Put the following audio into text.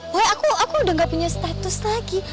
wah aku udah gak punya status lagi